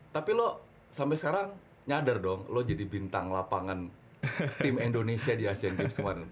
tapi lo sampai sekarang nyadar dong lo jadi bintang lapangan tim indonesia di asean games kemarin